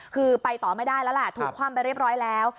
คือไปต่อไม่ได้แล้วแหละถูกคว่ำไปเรียบร้อยแล้ว